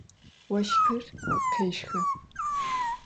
Voşxır khêşxı.